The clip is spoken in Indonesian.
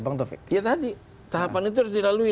ya tadi tahapan itu harus dilalui